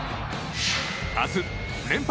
明日、連敗